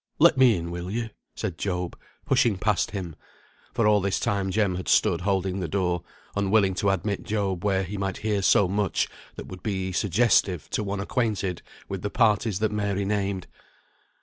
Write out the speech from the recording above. "Let me in, will you?" said Job, pushing past him, for all this time Jem had stood holding the door, unwilling to admit Job where he might hear so much that would be suggestive to one acquainted with the parties that Mary named.